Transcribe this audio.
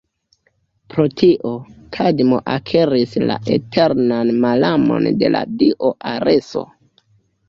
Pro tio, Kadmo akiris la eternan malamon de la dio Areso.